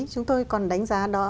chúng tôi còn đánh giá